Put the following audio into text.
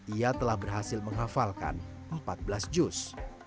ia telah berhasil menghafalkan empat belas jus